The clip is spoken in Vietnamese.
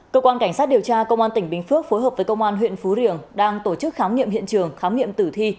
cơ quan cảnh sát điều tra công an tp hcm phối hợp với công an huyện phú riềng đang tổ chức khám nghiệm hiện trường khám nghiệm tử thi